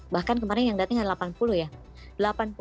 bahkan kemarin yang datang delapan puluh ya